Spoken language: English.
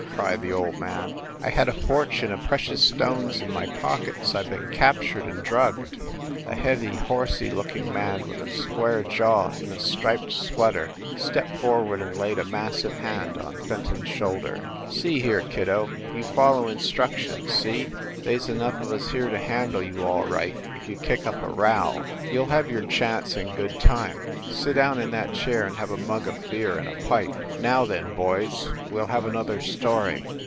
cried the old man. "I had a fortune of precious stones in my pockets I ve been captured and drugged A heavy, horsey looking man with a square jaw, in a striped sweater, stepped forward and laid a massive hand on Fenton s shoulder. "See here, kiddo, you follow instructions, see ? They s enough of us here to handle you all right, if you kick up a row. You ll have your chance in good time. Sit down in that chair and have a mug of beer and a pipe. Now then, boys, we ll have another story."